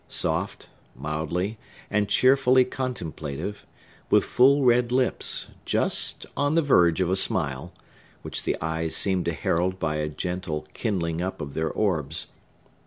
Soft, mildly, and cheerfully contemplative, with full, red lips, just on the verge of a smile, which the eyes seemed to herald by a gentle kindling up of their orbs!